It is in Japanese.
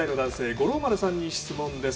五郎丸さんに質問です。